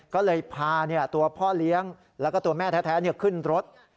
ก็เลยพาตัวพ่อเลี้ยงแล้วก็ตัวแม่แท้ขึ้นรถ